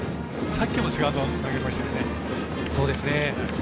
さっきもセカンド投げましたね。